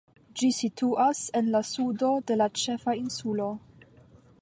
Ĝi situas en la sudo de la ĉefa insulo.